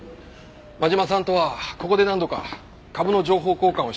真島さんとはここで何度か株の情報交換をしていました。